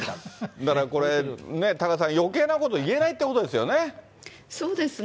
だからこれ、多賀さん、よけいなこと言えないってことですよね。